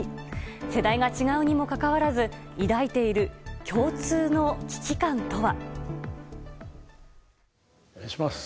世代が違うにもかかわらず抱いている共通の危機感とは。